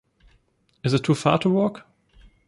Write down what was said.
Is it too far to walk?